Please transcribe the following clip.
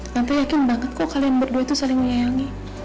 nanti yakin banget kok kalian berdua itu saling menyayangi